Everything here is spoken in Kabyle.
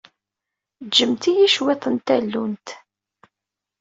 Ǧǧemt-iyi cwiṭ n tallunt.